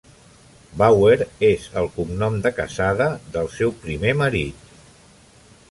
Bauer és el cognom de casada del seu primer marit.